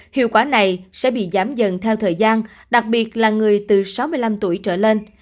hiệu quả này sẽ bị giảm dần theo thời gian đặc biệt là người từ sáu mươi năm tuổi trở lên